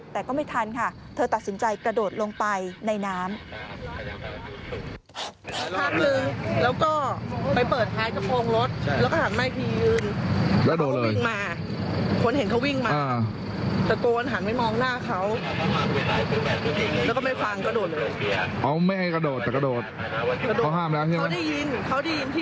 แต่ก็ไม่ทันค่ะเธอตัดสินใจกระโดดลงไปในน้ำ